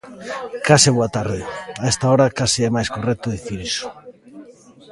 Case boa tarde, a esta hora case é máis correcto dicir iso.